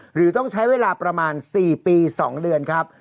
หรือต้องใช้เวลาประมาณ๔ปี๒เดือนครับ